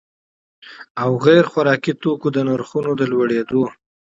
او غیر خوراکي توکو د نرخونو د لوړېدو